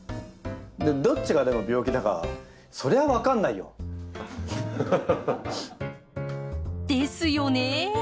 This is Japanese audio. どっちがでも病気だかそれは分かんないよ。ですよね。